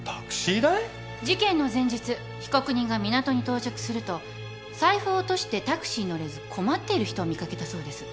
事件の前日被告人が港に到着すると財布を落としてタクシーに乗れず困っている人を見掛けたそうです。